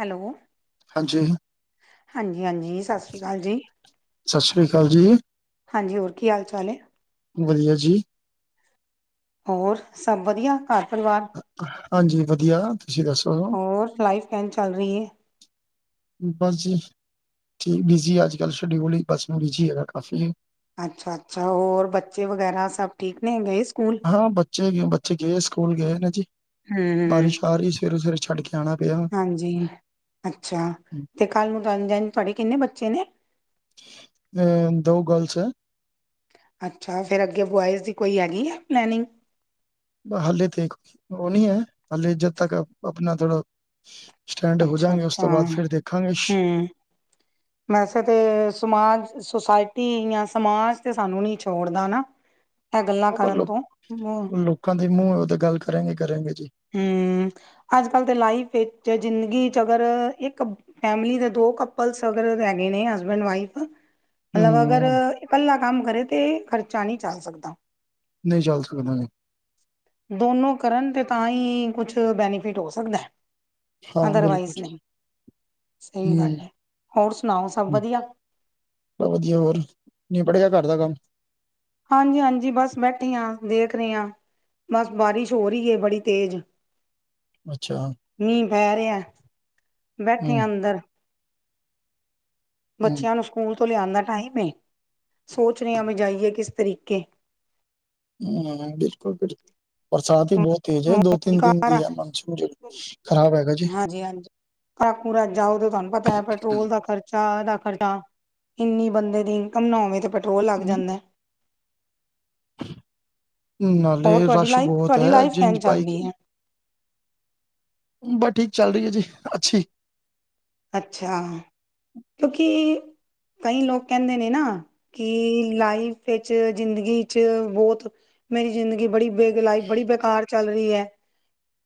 Hello. ਹਾਂਜੀ। ਹਾਂਜੀ-ਹਾਂਜੀ ਸਸਸ਼੍ਰੀ ਅਕਾਲ ਜੀ। ਸਸ ਸ਼੍ਰੀ ਅਕਾਲ ਜੀ। ਹਾਂਜੀ, ਹੋਰ ਕੀ ਹਾਲ-ਚਾਲ ਹੈ? ਵਧੀਆ ਜੀ। ਹੋਰ ਸਭ ਵਧੀਆ? ਘਰ-ਪਰਿਵਾਰ। ਹਾਂਜੀ, ਵਧੀਆ ਤੁਸੀਂ ਦੱਸੋ? ਹੋਰ ਲਾਈਫ ਕਹਿਨ ਚੱਲ ਰਈ ਐ? ਬਸ ਜੀ ਠੀਕ ਬਿਜੀ ਅੱਜਕੱਲ ਸ਼ਡਿਊਲ ਹੀ ਬੱਸ ਜੀ ਬਿਜੀ ਹੈਗਾ ਕਾਫੀ ਅੱਛਾ-ਅੱਛਾ ਹੋਰ ਬੱਚੇ ਵਗੈਰਾ ਸਭ ਠੀਕ ਨੇ ਗਏ ਸਕੂਲ ਹਾਂ, ਬੱਚੇ-ਬੱਚੇ ਗਏ ਸਕੂਲ ਗਏ ਨੇ ਜੀ। ਹਮ ਬਾਰਿਸ਼ ਆ ਰਹੀ ਸਵੇਰੇ-ਸਵੇਰੇ ਛੱਡ ਕੇ ਆਣਾ ਪਿਆ। ਹਾਂਜੀ ਅੱਛਾ ਤੇ ਕੱਲ ਨੂੰ ਤੁਨੂੰ ਜਣ ਤੁਆਡੇ ਕਿੰਨੇ ਬੱਚੇ ਨੇ? ਅ ਦੋ ਗਰਲ ਐ। ਅੱਛਾ ਫੇਰ ਅੱਗੇ ਬੋਆਇਜ਼ ਦੀ ਕੋਈ ਹੈਗੀ ਏ ਪਲੈਨਿੰਗ? ਹਾਲੇ ਤੇ ਉਹ ਨ੍ਹੀਂ ਐ ਹਾਲੇ ਜਦ ਤੱਕ ਆਪਣਾ ਥੋੜਾ ਸਟੈਂਡ ਅੱਛਾ ਹੋਜਾਂਗੇ ਉਸ ਅੱਛਾ ਤੋਂ ਬਾਅਦ ਫਿਰ ਦੇਖਾਂਗੇ। ਹਮ ਵੈਸੇ ਤੇ ਸਮਾਜ ਸੁਸਾਇਟੀ ਜਾਂ ਸਮਾਜ ਤੇ ਸਾਨੂੰ ਨੀ ਛੋੜਦਾ ਨਾਂ। ਏ ਗੱਲਾਂ ਉਹ ਪਰ ਕਰਨ ਲੋ ਤੋਂ। ਲੋਕਾਂ ਦੀ ਮੂੰਹ ਓ ਤੇ ਗੱਲ ਕਰਨਗੇ ਕਰੇਂਗੇ ਜੀ। ਹਂ, ਅੱਜ-ਕਲ ਦੇ ਲਾਈਫ ਇੱਚ ਜ਼ਿੰਦਗੀ ਚ ਅਗਰ ਇੱਕ ਫੈਮਿਲੀ ਦੇ ਦੋ ਕੱਪਲਸ ਅਗਰ ਹੈਗੇ ਨੇ ਹਸਬੈਂਡ ਵਾਈਫ ਮਤਲਬ ਅਗਰ ਹੂੰ। ਇਕੱਲਾ ਕੰਮ ਕਰੇ ਤੇ ਖ਼ਰਚਾ ਨਈਂ ਚੱਲ ਸਕਦਾ। ਨਈਂ ਚਲ ਸਕਦਾ ਨੀਂ। ਦੋਨੋਂ ਕਰਨ ਤੇ ਤਾਂ ਈ ਕੁਛ ਬੈਨੀਫਿਟ ਹੋ ਸਕਦਾ ਐ। ਹਾਂ ਬਿਲਕੁਲ, ਅਦਰਵਾਈਜ਼ ਨਹੀਂ ਸਹੀ ਗੱਲ ਐ। ਹੂੰ। ਹੋਰ ਸੁਣਾਓ ਸਭ ਵਧੀਆ। ਬਹ ਵਧੀਆ ਹੋਰ ਨਿਬੜ ਗਿਆ ਘਰ ਦਾ ਕੰਮ। ਹਾਂਜੀ ਹਾਂਜੀ ਬਸ ਬੈਠੈ ਆਂ, ਦੇਖ ਰੇ ਆਂ। ਬਸ ਬਾਰਿਸ਼ ਹੋ ਰੀ ਏ ਬੜੀ ਤੇਜ਼। ਅੱਛਾ ਮੀਂਅ ਬਹਿ ਰਿਆ, ਬੈਠੇ ਹੂੰ ਆਂ ਅੰਦਰ। ਹੂੰ ਬੱਚਿਆਂ ਨੂੰ ਸਕੂਲ ਤੋਂ ਲਿਆਣ ਦਾ ਟਾਈਮ ਏ, ਸੋਚ ਰੇ ਆਂ ਬਈ ਜਾਈਏ ਕਿਸ ਤਰੀਕੇ। ਹਂ, ਬਿਲਕੁਲ-ਬਿਲਕੁਲ। ਬਰਸਾਤ ਵੀ ਬੋਤ ਤੇਜ਼ ਐ, ਦੋ-ਤਿੰਨ ਦਿਨ ਕਾਰ ਦੀ ਆ ਮੌਸੂਮ ਜੇੜੀ, ਖ਼ਰਾਬ ਹੈਗਾ ਜੀ। ਜੀ ਹਾਂਜੀ। ਪੂਰਾ ਜਾਓ ਤੇ ਤੁਹਾਨੂੰ ਪਤਾ ਹੈ ਪੈਟਰੋਲ ਦਾ ਖਰਚਾ। ਚਾਹ ਦਾ ਖਰਚਾ ਇੰਨੀ ਬੰਦੇ ਦੀ ਇਨਕਮ ਨਾ ਹੋਵੇ ਤੇ ਪੈਟਰੋਲ ਲੱਗ ਨ- ਜਾਂਦਾ। ਹੋਰ ਨਾਲੇ ਤੁਹਾਡੀ ਰਸ਼ ਲਾਈਫ ਬਹੁਤ ਤੁਹਾਡੀ ਹੈ ਲਾਈਫ ਜਿੰਜ ਕਹਿਣ ਬਾਈਕ ਚੱਲਦੀ ਹੈ ਬਸ ਠੀਕ ਚੱਲ ਰਹੀ ਹੈ ਜੀ, ਅੱਛੀ। ਅੱਛਾ, ਤੌ ਕਿ ਕਈ ਲੋਕ ਕਹਿੰਦੇ ਨੇ ਨਾ ਕਿ ਲਾਈਫ ਵਿੱਚ, ਜ਼ਿੰਦਗੀ 'ਚ ਬਹੁਤ ਮੇਰੀ ਜ਼ਿੰਦਗੀ ਬੜੀ ਬੇਗ ਲਾਈਫ ਬੜੀ ਬੇਕਾਰ ਚੱਲ ਰਹੀ ਹੈ,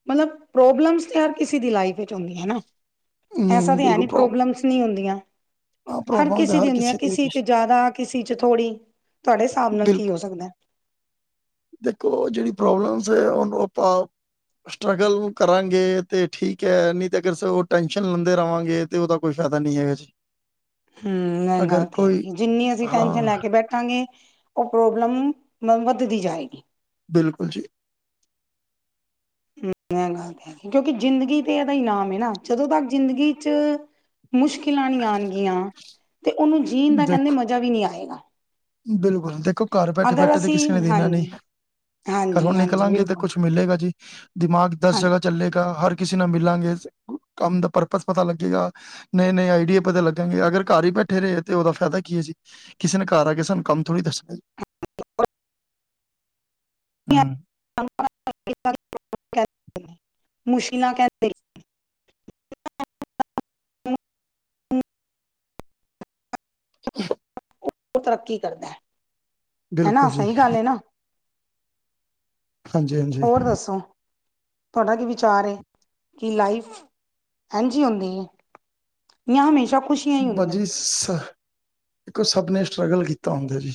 ਮਤਲਬ ਪ੍ਰੋਬਲਮਸ ਤੇ ਹਰ ਕਿਸੇ ਦੀ ਲਾਈਫ ਵਿੱਚ ਹੁੰਦੀ ਹੈ ਨਾ। ਐਸਾ ਹੂੰ ਤਾਂ ਹੈ ਬਿਲਕੁਲ ਨਹੀਂ, ਪ੍ਰੋਬ ਪ੍ਰੋਬਲਮਸ ਨਹੀਂ ਹੁੰਦੀਆਂ। ਹਰ ਕਿਸੇ ਦੀ ਹੁੰਦੀਆ, ਕਿਸੇ 'ਚ ਜ਼ਿਆਦਾ, ਕਿਸੇ 'ਚ ਥੋੜੀ - ਤੁਹਾਡੇ ਹਿਸਾਬ ਨਾਲ ਕੀ ਬਿਲਕੁਲ ਹੋ ਸਕਦਾ? ਦੇਖੋ, ਜਿਹੜੀ ਪ੍ਰੋਬਲਮਸ ਹੈ, ਉਹਨੂੰ ਆਪਾਂ ਸਟਰਗਲ ਕਰਾਂਗੇ ਤੇ ਠੀਕ ਹੈ, ਨਹੀਂ ਤਾਂ ਅਗਰ ਅਸੀ ਹੋਰ ਟੈਨਸ਼ਨ ਲੈਂਦੇ ਰਵਾਂਗੇ ਤੇ ਉਹਦਾ ਕੋਈ ਫਾਇਦਾ ਨਹੀਂ ਹੈਗਾ ਜੀ। ਹਮ, ਐ ਗੱਲ ਅਗਰ ਤੇ ਕੋਈ ਹੈਗੀ, ਜਿੰਨੀ ਅਸੀਂ ਟੈਨਸ਼ਨ ਹਾਂ ਲੈ ਕੇ ਬੈਠ ਣਗੇ ਉਹ ਪ੍ਰੋਬਲਮ ਵੱਧਦੀ ਜਾਏਗੀ। ਬਿਲਕੁਲ ਜੀ। ਇਹ ਗੱਲ ਤੇ ਹੈਗੀ ਕਿਉਂਕਿ ਜ਼ਿੰਦਗੀ ਤੇ ਇਹਦਾ ਹੀ ਨਾਮ ਹੈ ਨਾ, ਜਦੋਂ ਤੱਕ ਜ਼ਿੰਦਗੀ 'ਚ ਮੁਸ਼ਕਿਲਾਂ ਨਹੀਂ ਆਓਣਗੀਆਂ, ਤੇ ਉਹਨੂੰ ਜੀਣ ਦਾ ਕਹਿੰਦੇ ਦੇਖੋ ਮਜ਼ਾ ਵੀ ਨਹੀਂ ਆਏਗਾ। ਬਿਲਕੁਲ, ਦੇਖੋ! ਘਰ ਅਗਰ ਬੈਠੇ-ਬੈਠੇ ਤੇ ਕਿਸੇ ਨੇ ਅਸੀਂ ਦੇਣਾ ਨਹੀਂ। ਹਾਂਜੀ ਘਰੋਂ ਹਾਂਜੀ ਹਾਂਜੀ ਨਿਕਲਾਂਗੇ ਤੇ ਬਿਲਕੁਲ ਕੁੱਛ ਮਿਲੇਗਾ ਜੀ, ਦਿਮਾਗ ਦਸ ਜਗ੍ਹਾ ਚੱਲੇਗਾ ਹਰ ਕਿਸੇ ਨਾਲ ਮਿਲਾਂਗੇ, ਕੰਮ ਦਾ ਪਰਪਸ ਪਤਾ ਲੱਗੇਗਾ। ਨਹੀਂ-ਨਹੀਂ ਆਈਡੀਏ ਪਤਾ ਲੱਗਣਗੇ ਅਗਰ ਕਾਰ ਈ ਬੈਠੇ ਰਹੇ ਤੇ ਓਦਾ ਫਾਯਦਾ ਕੀ ਏ ਜੀ ਕਿਸੇ ਨੇ ਕਾਰ ਆ ਕੇ ਸਾਨੂੰ ਕੰਮ ਥੋੜ੍ਹੀ ਦੱਸਣਾ ਹੂੰ। [unintelligible] ਮੁਸ਼ੀਨਾ ਕੈਤੇ। ਹ ਓ ਤਰੱਕੀ ਕਰਦਾ ਹੈਨਾ ਬਿਲਕੁਲ ਜੀ, ਸਹੀ ਗੱਲ ਏ ਨਾ। ਹਾਂਜੀ-ਹਾਂਜੀ। ਹੋਰ ਦੱਸੋ ਤੁਆਡਾ ਕੀ ਵਿਚਾਰ ਏ ਕਿ ਲਾਈਫ ਇੰਝ ਹੁੰਦੀ ਏ। ਯਾ ਹਮੇਸ਼ਾ ਪਾਜੀ ਸ ਕੋ ਸਭ ਨੇ ਸਟ੍ਰਗਲ ਕੀਤਾ ਹੁੰਦਾ ਜੀ।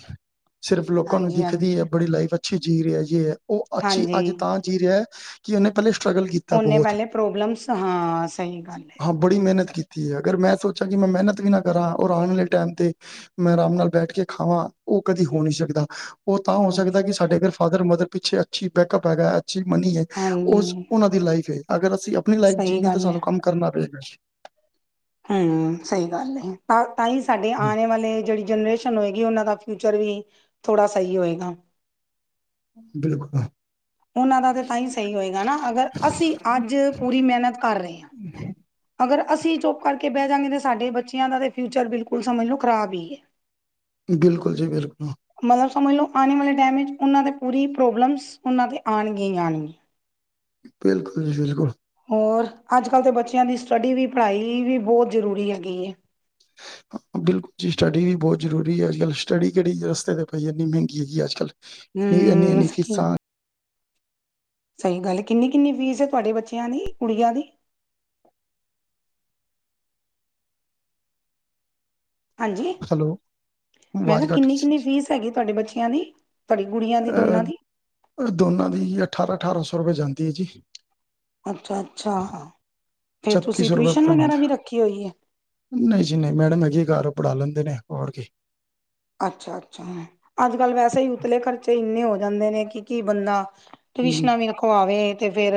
ਸਿਰਫ ਲੋਕਾਂ ਨੂੰ ਹਾਂਜੀ ਦਿਖਦੀ ਐ ਹਾਂਜੀ ਬੜੀ ਲਾਈਫ ਅੱਛੀ ਜੀ ਰਿਆ ਯੇ ਐ ਓ ਅੱਛੀ ਹਾਂਜੀ ਅੱਜ ਤਾਂ ਜੀ ਰੇਆ ਕਿ ਓਨੇ ਪੈਲੇ ਸਟ੍ਰਗਲ ਕੀ ਓਨੇ ਪੈਲੇ ਪ੍ਰੋਬਲਮਸ ਹਾਂ ਸਹੀ ਗੱਲ ਏ ਬਿਲਕੁਲ ਸਈ। ਤੇ ਅਗਰ ਮੈਂ ਸੋਚਾਂ ਕਿ ਮੈਂ ਮੈਨਤ ਵੀ ਨਾ ਕਰਾਂ ਔਰ ਆਣ ਵਾਲੇ ਟੈਮ ਤੇ ਮੈਂ ਰਾਮ ਨਾਲ ਬੈਠ ਕੇ ਖਾਵਾਂ ਓ ਕਦੀ ਹੋ ਨੀ ਸਕਦਾ। ਓ ਤਾਂ ਹੋ ਸਹੀ ਸਕਦਾ ਕਿ ਸਾਡੇ ਕਾਰ ਫਾਦਰ-ਮਦਰ ਪਿੱਛੇ ਅੱਛੀ ਬੈਕਅੱਪ ਹੈਗਾ। ਅਸੀਂ ਮਨੀ ਏ ਓ ਹਾਂਜੀ ਓਨਾਂ ਦੀ ਲਾਈਫ ਏ ਅਗਰ ਅਸੀਂ ਆਪਣੀ ਲਾਈਫ ਸਹੀ ਜੀਨੀ ਏ ਤਾਂ ਗੱਲ ਹੈ ਸਾਨੂੰ ਕੰਮ ਕਰਨਾ ਪਏਗਾ ਜੀ। ਹੂੰ ਸਈ ਗੱਲ ਏ ਤਾਂ ਤਾਂ ਈ ਸਾਡੇ ਆਣੇ ਵਾਲੇ ਜੇੜੀ ਜਨਰੇਸ਼ਨ ਹੋਏਗੀ ਬੀ ਓਨਾਂ ਦਾ ਫਿਊਚਰ ਵੀ ਥੋੜਾ ਸਈ ਹੋਏਗਾ। ਬਿਲਕੁਲ। ਓਨਾਂ ਦਾ ਤਾਂ ਤਾਂ ਹੀ ਸਹੀ ਹੋਏਗਾ ਨਾ ਅਗਰ ਅਸੀਂ ਅੱਜ ਪੂਰੀ ਮੇਹਨਤ ਕਰ ਰਹੇ ਹਾਂ। ਅਗਰ ਅਸੀਂ ਚੁੱਪ ਕਰਕੇ ਬੈ ਜਾਂਗੇ ਤਾਂ ਸਾਡੇ ਬੱਚਿਆਂ ਦਾ ਤਾਂ ਫਿਊਚਰ ਬਿਲਕੁਲ ਸਮਝ ਲੋ ਖ਼ਰਾਬ ਈ ਏ। [unintelligible] [inaudible] ਬਿਲਕੁਲ ਜੀ ਬਿਲਕੁਲ। ਮਤਲਬ ਸਮਝ ਲੋ ਆਣੇ ਵਾਲੇ ਟੈਮ ਚ ਓਨਾਂ ਦੀ ਪੂਰੀ ਪ੍ਰੋਬਲਮਸ ਉਹਨਾਂ ਤੇ ਆਣਗੀਆਂ ਈ ਆਣਗੀਆਂ। ਬਿਲਕੁਲ ਜੀ ਬਿਲਕੁਲ‌। ਔਰ ਅੱਜ-ਕੱਲ੍ਹ ਤੇ ਬੱਚਿਆਂ ਦੀ ਸਟੱਡੀ ਵੀ ਪੜ੍ਹਾਈ ਵੀ ਬੋਤ ਜ਼ਰੂਰੀ ਹੈਗੀ ਏ। [unintelligible] [inaudible] ਬਿਲਕੁਲ ਜੀ ਸਟੱਡੀ ਵੀ ਬੋਤ ਜ਼ਰੂਰੀ ਏ ਅੱਜ-ਕੱਲ੍ਹ ਸਟੱਡੀ ਕੇੜੀ ਰਸਤੇ ਤੇ ਪਈ ਏ ਏਨੀ ਮੇੰਗੀ ਹੈਗੀ ਆ ਅੱਜ-ਕੱਲ੍ਹ। ਨੀਗ ਹਮ ਏਨੀ-ਏਨੀ ਸਹੀ ਫੀਸਾਂ ਸਹੀ ਗੱਲ ਏ ਕਿੰਨੀ-ਕਿੰਨੀ ਫੀਸ ਏ ਤੁਹਾਡੇ ਬੱਚਿਆਂ ਦੀ ਕੁੜੀਆਂ ਦੀ? ਹਾਂਜੀ ਹੈਲੋ, ਮੈਂ ਆਵਾਜ਼ ਕੇਹਾ ਕੱਟ ਗਈ ਸੀ। ਕਿੰਨੀ-ਕਿੰਨੀ ਫੀਸ ਹੈਗੀ ਤੁਹਾਡੇ ਬੱਚਿਆਂ ਦੀ ਤੁਹਾਡੀ ਗੁੜੀਆਂ ਦੀ ਦੋਨਾਂ ਅ ਦੀ ਦੋਨਾਂ ਦੀ ਅਠਾਰਾਂ-ਅਠਾਰਾਂ ਸੌ ਰੁਪਏ ਜਾਂਦੀ ਏ ਜੀ। ਅੱਛਾ-ਅੱਛਾ ਫਿਰ ਤੁਸੀਂ ਟਿਊਸ਼ਨ ਵਗੈਰਾ ਵੀ ਰੱਖੀ ਹੋਈ ਏ। ਨਈ ਜੀ ਨਈ ਮੈਡਮ ਹੈਗੇ ਕਾਰ ਓ ਪੜ੍ਹਾ ਲੈਂਦੇ ਨੇ ਹੋਰ ਕਿ ਅੱਛਾ-ਅੱਛਾ ਅੱਜ-ਕੱਲ ਵੈਸੇ ਈ ਉਤਲੇ ਖਰਚੇ ਇੰਨੇ ਹੋ ਜਾਂਦੇ ਨੇ ਕਿ ਕੀ ਬੰਦਾ ਹੂੰ ਟਿਊਸ਼ਨਾਂ ਵੀ ਰਖਵਾਵੇ ਤੇ ਫੇਰ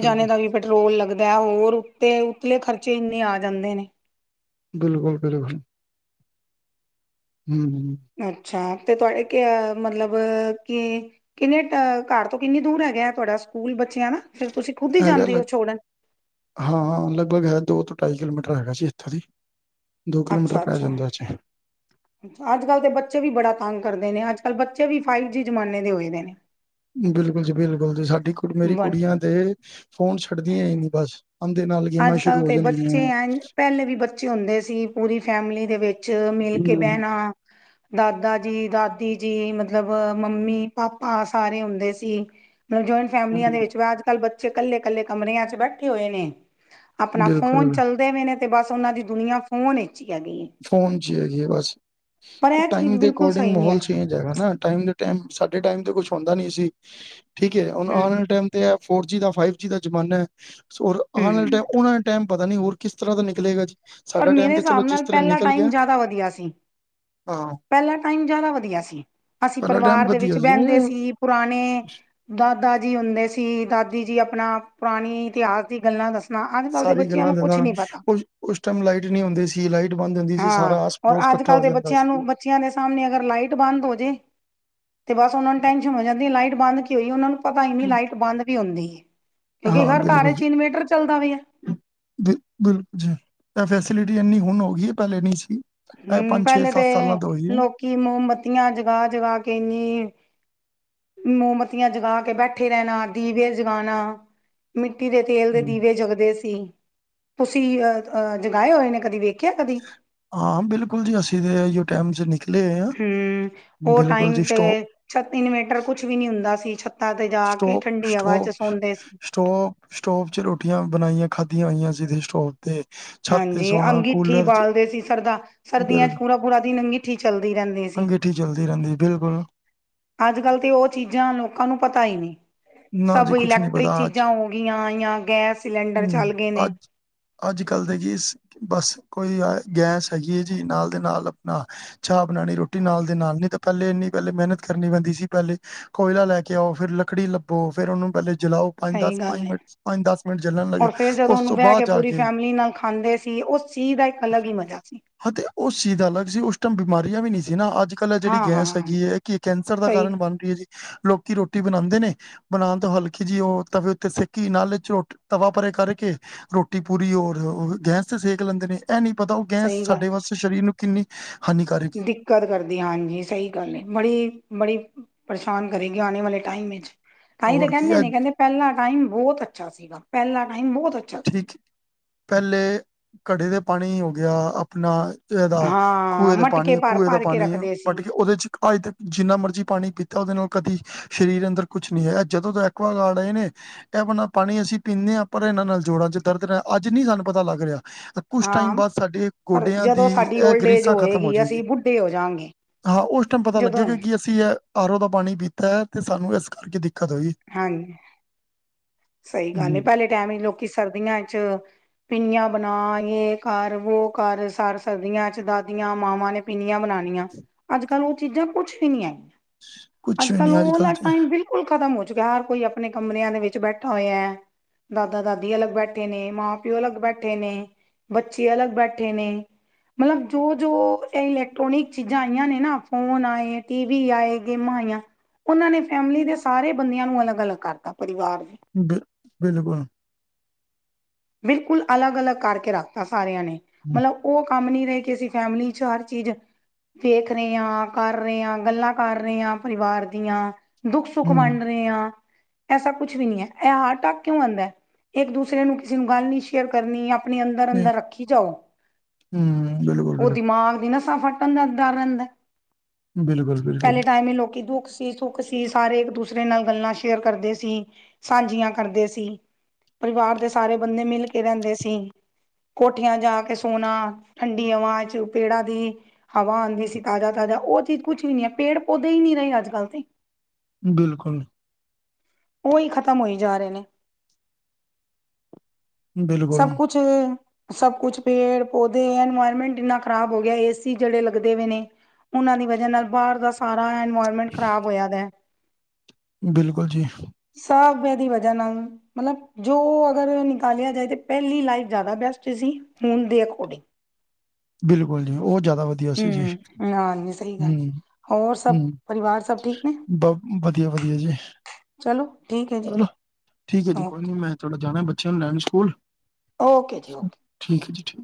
ਫਿਰ ਦਾ ਵੀ ਪੈਟਰੋਲ ਲੱਗਦਾ ਹੋਰ ਉੱਤੇ ਉਤਲੇ ਖਰਚੇ ਇੰਨੇ ਆ ਜਾਂਦੇ ਨੇ। ਬਿਲਕੁਲ-ਬਿਲੁਕੁਲ। ਹੂੰ। ਅੱਛਾ ਤੇ ਤੁਆਡੇ ਮਤਲਬ ਕੀ ਕਿੰਨੇ ਅ ਕਾਰ ਤੋਂ ਕਿੰਨੀ ਦੂਰ ਹੈਗਾ ਤੁਆਡਾ ਸਕੂਲ ਬੱਚਿਆਂ ਦਾ ਫੇਰ ਤੁਸੀਂ ਖੁਦ ਹੀ ਜਾਂਦੇ ਓ ਛੋੜਨ ਹਾਂ-ਹਾਂ ਲਗਭਗ ਹੈ ਦੋ ਤੋਂ ਢਾਈ ਕਿਲੋਮੀਟਰ ਹੈਗਾ ਜੀ ਇੱਥੇ ਦੀ ਦੋ ਕਿਲੋਮੀਟਰ ਪੈ ਜਾਂਦਾ ਜੀ। ਅੱਜ-ਕੱਲ੍ਹ ਦੇ ਬੱਚੇ ਵੀ ਬੜਾ ਤੰਗ ਕਰਦੇ ਨੇ ਅੱਜ-ਕੱਲ੍ਹ ਬੱਚੇ ਵੀ ਫਾਈਵ ਜੀ ਜ਼ਮਾਨੇ ਦੇ ਹੋਏ ਨੇ। ਬਿਲਕੁਲ ਜੀ- ਬਿਲਕੁਲ ਜੀ ਸਾਡੀ ਕੁੜ ਮੇਰੀ ਬ ਕੁੜੀਆਂ ਤੇ ਫੋਨ, ਛੱਡਦੀਆਂ ਹੀ ਨਈ ਬਸ ਅੰਧੇ ਨਾਲ, ਗੇਮਾਂ ਅੱਜ ਸ਼ੁਰੂ ਕੱਲ੍ਹ ਹੋ ਤੇ ਬੱਚੇ ਜਾਂਦੀਆਂ ਐ ਪਹਿਲੇ ਵੀ ਬੱਚੇ ਹੁੰਦੇ ਸੀ। ਪੂਰੀ ਫੈਮਿਲੀ ਦੇ ਵਿੱਚ, ਮਿਲ ਕੇ ਹੂੰ ਬਹਿਣਾ ਦਾਦਾ ਜੀ, ਦਾਦੀ ਜੀ, ਮਤਲਬ ਮੰਮੀ -ਪਾਪਾ ਸਾਰੇ ਹੁੰਦੇ ਸੀ। ਮਤਲਬ, ਜਆਇੰਟ ਫੈਮਲੀਆਂ ਹੂੰ ਦੇ ਵਿੱਚ ਵ ਅੱਜ -ਕੱਲ੍ਹ ਬੱਚੇ ਕੱਲੇ -ਕੱਲੇ ਕਮਰਿਆਂ ਚ ਬੈਠੇ ਹੋਏ ਨੇ, ਆਪਣਾ ਫੋਨ ਬਿਲਕੁਲ ਚੱਲਦੇ ਪਏ ਨੇ, ਤੇ ਬਸ ਉਹਨਾਂ ਦੀ ਦੁਨੀਆਂ, ਫੋਨ ਵਿੱਚ ਹੀ ਹੈਗੀ ਏ ਫੋਨ ਚ ਹੈਗੀ ਆ ਬਸ, ਪਰ ਇਹ ਚੀਜ਼ ਟਾਈਮ ਦੇ ਬਿਲਕੁਲ ਅਕੋਰਡਿੰਗ ਸਹੀ ਨਹੀਂ ਮਾਹੋਲ ਹੈਗੀ ਚੇਜ਼ ਹੈਗਾਨਾ ਟਾਈਮ ਦੇ ਟਾਈਮ ਸਾਡੇ ਟਾਈਮ ਤੇ ਕੁਛ ਹੁੰਦਾ ਨਈ ਸੀ, ਠੀਕ ਹੁਣ ਹੂੰ ਆਉਣ ਵਾਲੇ ਟਮ ਫੋਰ ਜੀ, ਦਾ ਫਾਈਵ ਜੀ ਦਾ ਜ਼ਮਾਨਾ, ਸੋਂ ਆਉਣ ਵਾਲੇ ਹੂੰ ਟਾਈਮ ਉਹਨਾਂ ਟਾਈਮ, ਪਤਾ ਨਈ ਹੋਰ ਕਿਸ ਤਰ੍ਹਾਂ ਦਾ ਨਿਕਲੇਗਾ, ਜੀ ਪਰ ਸਾਡਾ ਮੇਰੇ ਟਾਈਮ ਤਾਂ ਚਲੋ ਹਿਸਾਬ ਜਿਸ ਨਾਲ ਤਰ੍ਹਾਂ ਪਹਿਲਾ ਨਿਕਲ ਟਾਈਮ, ਗਿਆ ਜ਼ਿਆਦਾ ਵਧੀਆ ਸੀ। ਹਾਂ, ਪਹਿਲਾਾਂ ਟਾਈਮ, ਜ਼ਿਆਦਾ ਵਧੀਆ ਸੀ। ਅਸੀਂ ਪਹਿਲਾ ਟਾਈਮ ਪਰਿਵਾਰ ਦੇ ਵਿੱਚ, ਵਧੀਆ ਬਹਿੰਦੇ ਸੀ ਪੁਰਾਣੇ ਦਾਦਾ ਜੀ ਹੁੰਦੇ ਸੀ। ਦਾਦੀ ਜੀ, ਆਪਣਾ ਪੁਰਾਣੀ ਇਤਿਹਾਸ, ਦੀ ਗੱਲਾਂ ਦੱਸ ਨਾ, ਅੱਜ -ਕੱਲ ਦੇ ਸਾਰੀ ਬੱਚਿਆਂ ਗੱਲਾਂ ਨੂੰ ਕੁਛ ਨਾਲ ਨੀ ਪਤਾ ਉਸ ਉਸ ਟਾਈਮ, ਲਾਈਟ ਨਹੀਂ ਹੁੰਦੀ ਸੀ। ਲਾਈਟ ਬੰਦ ਹੁੰਦੀ ਸੀ, ਹਾਂ ਸਾਰਾ ਆਸ ਔਰ -ਪੜੋਸ ਅੱਜ ਇਕੱਠਾ ਕੱਲ੍ਹ ਹੋ ਦੇ ਜਾਂਦਾ ਬੱਚਿਆਂ ਸੀ। ਨੂੰ ਬੱਚਿਆਂ ਦੇ ਸਾਹਮਣੇ, ਅਗਰ ਲਾਈਟ ਬੰਦ ਹੋ ਜੇ ਅਤੇ ਬਸ ਉਹਨਾਂ ਨੂੰ, ਟੈਂਨਸ਼ਨ ਹੋ ਜਾਂਦੀ ਹੈ ਲਾਈਟ ਬੰਦ, ਕੀ ਹੋਈ ਉਹਨਾਂ ਨੂੰ ਪਤਾ ਹੀ ਨਈ ਲਾਈਟ ਬੰਦ ਵੀ ਹੁੰਦੀ ਏ, ਕਿਉਂਕਿ ਹਾਂ, ਹਰ ਘਰ ਵਿੱਚ, ਇਨਵੇਟਰ ਚੱਲਦਾ ਪਿਆ ਬ ਬਿਲਕੁਲ ਜੀ, ਫੈਸਿਲਿਟੀ ਇੰਨੀ ਹੁਣ ਹੋ ਗਈ ਹੈ ਪਹਿਲੇ ਨਹੀਂੀ ਸੀ ਇਹ ਹਮ, ਪਹਿਲੇ ਤੇ ਸਾਲਾਂ ਤੋਂ ਹੋਈ ਹੈ। ਲੋਕੀ, ਮੋਮਬੱਤੀਆਂ ਜਗਾ -ਜਗਾ ਕੇ ਇੰਨੀ ਮੋਮਤੀਆਂ ਜਗਾ ਕੇ ਬੈਠੇ ਰਹਿਣਾ, ਦੀਵੇੇ ਜਗਾਉਣਾ ਮਿੱਟੀ ਦੇ ਤੇਲ ਦੇ, ਹਮ। ਦੀਵੇ ਜਗਦੇ ਸੀ। ਤੁਸੀ ਅਹ ਜਗਾਏ ਹੋਏ ਨੇ, ਕਦੀ ਵੇਖਿਆ ਕਦੀ ਹਾਂ ਬਿਲਕੁਲ ਜੀ, ਅਸੀਂ ਤੇ ਟਾਈਮ ਚ ਨਿਕਲੇ ਹੋਏ ਆ, ਹਮ, ਉਹ ਬਿਲਕੁਲ ਟਾਈਮ ਜੀ ਤੇ, ਸਟੋ ਛ ਇਨਵੇਟਰ ਕੁਛ ਵੀ ਨੀ ਹੁੰਦਾ ਸੀ। ਤਦ ਜਾ ਕੇ, ਠੰਡੀ ਹਵਾ ਚ ਸੌਦੇ ਸੀ। ਸਟੋਵ- ਸਟੋਵ 'ਚ ਰੋਟੀਆਂ ਬਣਾਈਆਂ ਖਾਧੀਆਂ ਹੋਈਆਂ ਸੀ ਸਟੋਵ ਤੇ ਛਤ ਹਾਂਜੀ ਸੋਨਾ ਅੰਗੀਠੀ ਕੂਲਰ ਚ ਬਾਲਦੇ ਸੀ ਕੀ ਚੱਲਦੀ ਰਹਿੰਦੀ ਏ ਅਗਿੱਠੀ ਚੱਲਦੀ ਰਹਿੰਦੀ ਬਿਲਕੁਲ ਅੱਜ- ਕੱਲ੍ਹ ਤੇ ਉਹ ਚੀਜ਼ਾਂ ਲੋਕਾਂ ਨੂੰ, ਪਤਾ ਹੀ ਨਹੀਂ ਨਾ ਜੀ ਸਭ ਕੁਛ ਨੀ ਇਲੈਕਟ੍ਰਿਕ ਪਤਾ ਅੱਜ ਚੀਜ਼ਾਂ ਹੋ ਗਈਆਂ, ਜਾਂ ਗੈਸ ਸਿਲੰਡਰ ਹੂੰ ਚੱਲ ਗਏ ਨੇ ਅੱਜ ਅੱਜ- ਕੱਲ੍ਹ ਦੇ ਕੀ ਬਸ ਕੋਈ, ਗੈਸ ਹੈਗੀ ਹੈ ਜੀ, ਨਾਲ ਦੇ ਨਾਲ ਆਪਣਾ ਚਾਹ ਬਣਾਉਣੀ, ਰੋਟੀ ਨਾਲ ਦੇ ਨਾਲ, ਨਹੀਂ ਤਾਂ ਪਹਿਲੇ ਇੰਨੀ ਪਹਿਲੇ ਮਿਹਨਤ, ਕਰਨੀ ਪੈਂਦੀ ਸੀ ਪਹਿਲੇ ਕੋਇਲਾ ਲੈ ਕੇ ਆਓ, ਫੇਰ ਲੱਕੜੀ ਲੱਭੋ, ਫੇਰ ਉਹਨੂੰ ਪਹਿਲੇ ਜਲਾ ਸਹੀ ਗੱਲ ਹੈ, ਲੱਗੇ ਰ ਫੇਰ ਜਦੋਂ ਉਸ ਉਹਨੂੰ ਤੋਂ ਬਹਿ ਬਾਅਦ ਕੇ ਜਾ ਪੂਰੀ ਫੈਮਲੀ, ਨਾਲ ਖਾਂਦੇ ਸੀ। ਉਸ ਚੀ ਬੈਂਕ ਅਲੱਗ ਹੀ ਮਜ਼ਾ ਸੀ। ਹ ਤੇ ਉਹ ਚੀਜ਼ ਅਲੱਗ ਸੀ, ਉਸ ਟਾਈਮ ਬਿਮਾਰੀਆਂ ਵੀ ਨਹੀ ਸੀ ਨਾ, ਅੱਜ ਕੱਲ ਜਿਹੜੀ ਹਾਂ ਗੈਸ ਹਾਂ ਹੈਗੀ ਐ ਕੀ ਕੈਂਸਰ ਦਾ ਸਹੀ ਕਾਰਨ, ਬਣ ਰਹੀ ਹੈ ਜੀ, ਲੋਕੀ ਰੋਟੀ ਬਣਾਉਂਦੇ ਨੇ ਪਰਾਤ ਵੱਲ ਖਿਚੀ ਉਹ ਤਵੇ ਉੱਤੇ ਸੇਕੀ, ਨਾਲ ਚੋ ਤਵਾ ਭਰੇ ਕਰਕੇ ਰੋਟੀ ਪੂਰੀ, ਹੋਰ ਗੈਸ ਤੇ ਸੇਕ ਲੈਂਦੇ ਨੇ ਇਹ ਨਹੀਂ ਪਤਾ, ਉਹ ਗੈਸ ਸਹੀ ਗੱਲ ਸਾਡੇ ਵਾਸਤੇ ਸਰੀਰ ਨੂੰ, ਕਿੰਨੀ ਹਾਨੀਕਾਰਕ ਹੈ। ਦਿੱਕਤ ਕਰਦੀ ਹਾਂਜੀ, ਸਹੀ ਗੱਲ ਏ, ਬੜੀ- ਬੜੀ ਪਰੇਸ਼ਾਨ ਕਰੇਗੀ, ਆਣੇ ਵਾਲੇ ਟਾਈਮ ਵਿੱਚ ਤਾਂ ਹੀ ਹੋਰ ਕੀ ਕਹਿੰਦੇ ਇਹ ਨੇ, ਕਹਿੰਦੇ ਪਹਿਲਾ ਟਾਈਮ ਬਹੁਤ ਅੱਛਾ ਸੀਗਾ, ਪਹਿਲਾ ਟਾਈਮ ਬਹੁਤ ਅੱਛਾ ਸੀ। ਪਹਿਲੇ, ਘੜੇ ਦੇ ਪਾਣੀ ਹੋ ਗਿਆ, ਆਪਣਾ ਇਹਦਾ ਹਾਂ ਖੂਹੇ ਦਾ ਮਟਕੇ ਪਾਣੀ, ਭਰ ਕੂਏ ਦਾ ਭਰ ਕੇ ਪਾਣੀ ਰੱਖਦੇ ਸੀ ਪਟ ਕੇ ਉਹਦੇ ਚ ਪਾਈਦੇ ਆ। ਜਿੰਨਾ ਮਰਜ਼ੀ ਪਾਣੀ ਪੀਤਾ, ਉਹਦੇ ਨਾਲ ਕਦੇ ਸਰੀਰ ਅੰਦਰ ਕੁਛ ਨਹੀਂ ਹੈਗਾ, ਐ ਜਦੋਂ ਤੋਂ ਐਕੁਆਗਾਰਡ ਆਏ ਨੇ ਇਹ ਬਨਾ ਪਾਣੀ ਅਸੀਂ ਪੀਂਦੇ ਆ, ਪਰ ਇਹਨਾਂ ਨਾਲ ਜੋੜਾਂ ਚ ਦਰਦ ਰਿਹਾ। ਅੱਜ ਨੀ ਸਾਨੂੰ ਪਤਾ ਲੱਗ ਰਿਹਾ। ਕੁਛ ਟਾਈਮ ਹਾਂ ਬਾਅਦ, ਸਾਡੇ ਪਰ ਗੋਡਿਆਂ ਜਦੋਂ ਦੀ ਸਾਡੀ ਇਹ ਓਲਡ ਏਜ ਗ੍ਰਿਸਾਂ ਖਤਮ ਹੋ ਹੋਏਗੀ ਅਸੀਂ ਜਾਣਿਆਂ। ਬੁੱਢੇ ਹੋ ਜਾਗੇ ਹਾਂ, ਉਸ ਟਾਈਮ ਪਤਾ ਜਦੋਂ ਲੱਗੇਗਾ ਕਿ ਅਸੀਂ ਇਹ ਆਰੋ ਦਾ ਪਾਣੀ ਪੀਤਾ ਐ ਤੇ ਸਾਨੂੰ ਇਸ ਕਰਕੇ ਦਿੱਕਤ ਹੋਈ। ਹਾਂਜੀ। ਸਹੀ ਗੱਲ ਐ, ਹਮ ਪਹਿਲੇ ਟਾਈਮ ਲੋਕੀ ਸਰਦੀਆਂ ਚ ਪਿੰਨੀਆਂ ਬਣਾ ਯੇ ਕਰ, ਵੋ ਕਰ, ਸਰ ਸਰਬਦੀਆਂ ਚ ਦਾਦੀਆਂ, ਮਾਵਾਂ ਨੇ ਪੀਨੀਆਂ ਬਣਾਉਣੀਆਂ। ਅੱਜ ਕੱਲ ਉਹ ਚੀਜ਼ਾਂ ਕੁੱਛ ਵੀ ਨਹੀਂ ਐ। ਕੁਛ ਅੱਜ ਵੀ ਕੱਲ ਓ ਨੀ ਵਾਲਾ ਤੇ ਟਾਈਮ ਬਿਲਕੁਲ ਖ਼ਤਮ ਹੋ ਚੁੱਕਿਆ, ਹਰ ਕੋਈ ਆਪਣੇ ਕਮਰਿਆਂ ਦੇ ਵਿੱਚ ਬੈਠ ਬਠਾ ਹੋਇਆ। ਦਾਦਾ-ਦਾਦੀ ਅਲੱਗ ਬੈਠੇ ਨੇ, ਮਾਂ- ਪਿਓ ਅਲੱਗ ਬੈਠੇ ਨੇ। ਬੱਚੇ ਅਲੱਗ ਬੈਠੇ ਨੇ। ਮਤਲਬ ਜੋ-ਜੋ ਇਹ ਇਲੈਕਟ੍ਰੋਨਿਕ ਚੀਜ਼ਾਂ ਆਈਆਂ ਨੇ, ਨਾ ਫ਼ੋਨ ਆਏ, ਟੀ ਵੀ ਆਏ। ਗੇਮਾਂ ਆਈਆਂ, ਉਹਨਾਂ ਨੇ ਫੈਮਿਲੀ ਦੇ ਸਾਰੇ ਬੰਦਿਆਂ ਨੂੰ ਅਲੱਗ-ਅਲੱਗ ਕਰਤਾ ਪਰਿਵਾਰ ਦੇ। ਬ ਬਿਲਕੁਲ। ਬਿਲਕੁਲ, ਅਲੱਗ-ਅਲੱਗ ਕਰਕੇ ਰੱਖਤਾ ਸਾਰਿਆਂ ਨੇ ਮਲਬ ਉਹ ਕੰਮ ਨੀ ਰਹੇ ਕੇ, ਅਸੀਂ ਫੈਮਿਲੀ ਚ ਹਰ ਚੀਜ਼ ਵੇਖ ਰਹੇ ਆ, ਕਰ ਰਹੇ ਆ, ਗੱਲਾਂ ਕਰ ਰਹੇ ਆ, ਪਰਿਵਾਰ ਦੀਆਂ। ਦੁੱਖ-ਸੁੱਖ ਹਮ ਵੰਡ ਰਹੇ ਆ। ਐਸਾ ਕੁਛ ਵੀ ਨੀ ਐ, ਇਹ ਹਾਰ ਢੱਕ ਕਿਉਂ ਆਉਂਦਾ? ਇਕ- ਦੂਸਰੇ ਨੂੰ ਕਿਸੇ ਨੂੰ ਗੱਲ ਨੀ ਸ਼ੇਅਰ ਕਰਨੀ। ਆਪਣੇ ਅੰਦਰ-ਅੰਦਰ ਰੱਖੀ ਜਾਓ। ਹੂੰ, ਉਹ ਬਿਲਕੁਲ-ਬਿਲਕੁਲ-ਬਿਲਕੁਲ, ਦਿਮਾਗ ਦੀ ਨਾ ਫੱਟਣ ਦਾ ਡਰ ਰਹਿੰਦਾ। ਬਿਲਕੁਲ। ਪਹਿਲੇ ਟਾਈਮ ਹੀ ਲੋਕੀ ਦੁੱਖ ਸੁੱਖ ਸੀ, ਸਾਰੇ ਇੱਕ ਦੂਸਰੇ ਨਾਲ ਗੱਲਾਂ ਸ਼ੇਅਰ ਕਰਦੇ ਸੀ। ਸਾਂਝੀਆਂ ਕਰਦੇ ਸੀ। ਪਰਿਵਾਰ ਦੇ ਸਾਰੇ ਬੰਦੇ ਮਿਲ ਕੇ ਰਹਿੰਦੇ ਸੀ। ਕੋਠੀਆਂ ਜਾ ਕੇ ਸੋਣਾ, ਠੰਡੀ ਹਵਾ ਚ ਪੇੜਾ ਦੀ। ਹਵਾ ਆਉਂਦੀ ਸੀ, ਤਾਜ਼ਾ-ਤਾਜ਼ਾ ਉਹ ਚੀਜ਼ ਕੁਝ ਵੀ ਨੀ ਐ। ਪੇੜ- ਪੌਦੇ ਹੀ ਨਹੀਂ ਰਹੇ ਅੱਜ ਕੱਲ ਤੇ। ਬਿਲਕੁਲ। ਉਹੀ ਖ਼ਤਮ ਹੋਈ ਜਾ ਰਹੇ ਨੇ। ਸਭ ਕੁੱਛ ਸਭ ਕੁਛ ਪੇੜ-ਪੌਦੇ ਇਨਵਾਇਰਮੈਂਟ ਇੰਨਾ ਖ਼ਰਾਬ ਹੋ ਗਿਆ, ਏਸੀ ਜਿਹੜੇ ਲੱਗਦੇ ਪਏ ਨੇ। ਉਹਨਾਂ ਦੀ ਵਜਾ ਨਾਲ ਬਾਹਰ ਦਾ ਸਾਰਾ ਇਨਵਾਇਰਮੈਂਟ ਖ਼ਰਾਬ ਹੋਇਆ ਵੇਆ। ਬਿਲਕੁਲ ਜੀ। ਸਭ ਓਦੀ ਵਜਾ ਨਾਲ ਮਤਲਬ ਜੋ ਅਗਰ ਨਿਕਾਲਿਆ ਜਾਏ ਤਾਂ ਪਹਿਲੀ ਲਾਈਫ ਜ਼ਿਆਦਾ ਬੈਸਟ ਸੀ, ਹੁਣ ਦੇ ਅਕੋਰਡਿੰਗ। ਬਿਲਕੁਲ ਜੀ, ਉਹ ਜ਼ਿਆਦਾ ਵਧੀਆ ਸੀ ਜੀ ਹਮ ਹਾਂਜੀ ਸਹੀ ਗੱਲ ਹੂੰ। ਹੋਰ ਸਭ ਹੂੰ ਪਰਿਵਾਰ ਸਭ ਠੀਕ ਨੇ ਬ ਵਧੀਆ-ਵਧੀਆ ਜੀ। ਚਲੋ, ਠੀਕ ਹੈ ਜੀ। ਚਲੋ ਠੀਕ ਹੈ ਜੀ, ਕੋਈ ਓਕੇ ਨੀ ਮੈਂ ਥੋੜਾ ਜਾਣਾ ਬੱਚਿਆਂ ਨੂੰ ਲੈਨ ਸਕੂਲ। ਓਕੇ, ਜੀ ਓਕੇ। ਠੀਕ ਹੈ ਜੀ ਠੀਕ।